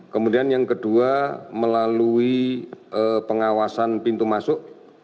kemudian yang kedua melalui pengawasan pintu masuk